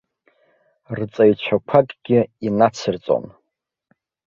Рҵаҩцәақәакгьы инацырҵон.